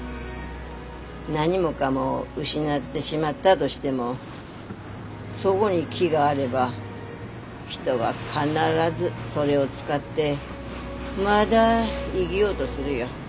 何もかも失ってしまったどしてもそごに木があれば人は必ずそれを使ってまだ生ぎようどするよ。